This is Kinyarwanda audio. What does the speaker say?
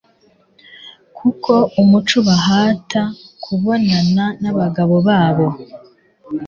kuko umuco ubahata kubonana n'abagabo babo